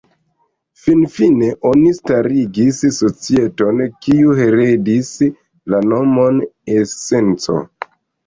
Fin-fine oni starigis Societon kiu heredis la nomon E-Senco.